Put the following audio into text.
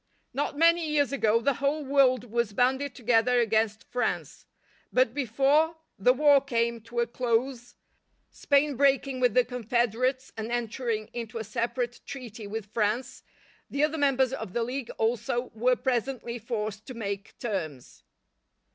Not many years ago the whole world was banded together against France; but before the war came to a close, Spain breaking with the confederates and entering into a separate treaty with France, the other members of the league also, were presently forced to make terms.